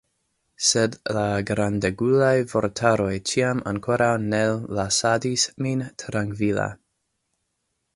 Sed la grandegulaj vortaroj ĉiam ankoraŭ ne lasadis min trankvila.